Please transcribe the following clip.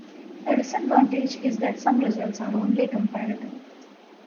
A disadvantage is that some results are only comparative.